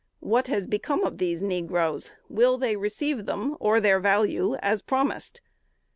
What has become of these negroes? Will they receive them, or their value, as promised?"